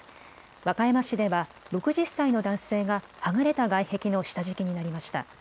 和歌山市では６０歳の男性が剥がれた外壁の下敷きになりました。